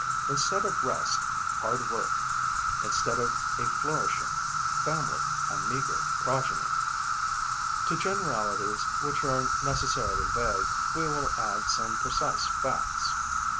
Instead of rest, hard work; instead of a flourishing family, a meagre progeny. To generalities, which are necessarily vague, we will add some precise facts.